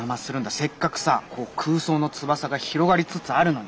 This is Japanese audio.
せっかくさこう空想の翼が広がりつつあるのに。